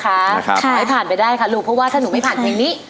ขอให้ผ่านไปได้ค่ะลูกเพราะว่าถ้าหนูไม่ผ่านเพลงนี้